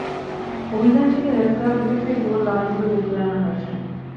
অভিযান শেষে রেস্তোরাঁর ভেতর থেকে কেবল লাশগুলো বের করে আনা হয়েছে।